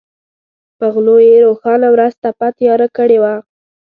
په غلو یې روښانه ورځ تپه تیاره کړې وه.